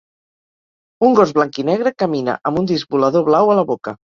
Un gos blanc i negre camina amb un disc volador blau a la boca.